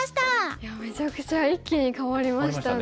いやめちゃくちゃ一気に変わりましたね。